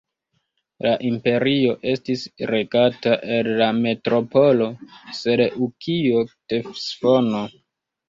La imperio estis regata el la metropolo Seleŭkio-Ktesifono.